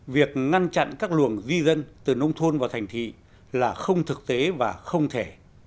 việc ngăn chặn các luồng di dân từ nông thôn vào thành thị là không thực tế và không thể